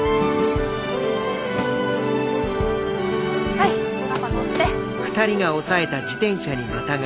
はいパパ乗って。